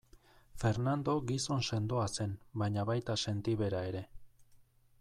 Fernando gizon sendoa zen baina baita sentibera ere.